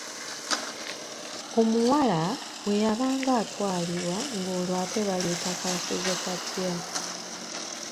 Omuwala bwe yabanga atwalibwa ng’olwo ate baleeta kaasuzekatya.